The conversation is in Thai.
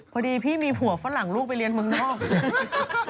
พอดีพี่มีผัวฝรั่งลูกไปเรียนเมืองนอก